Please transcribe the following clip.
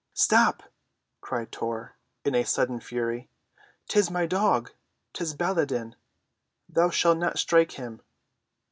"Stop!" cried Tor, in sudden fury. "'Tis my dog. 'Tis Baladan. Thou shalt not strike him!"